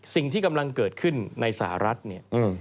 สิ่งที่กำลังเกิดขึ้นในสหรัฐเนี่ย